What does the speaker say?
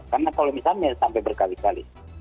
karena kalau misalnya sampai berkali kali